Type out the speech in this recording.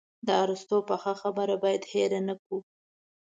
د ارسطو پخه خبره باید هېره نه کړو.